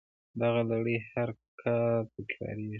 دغه لړۍ هر کال تکراریږي